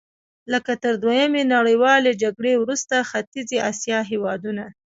لکه تر دویمې نړیوالې جګړې وروسته ختیځې اسیا هېوادونه.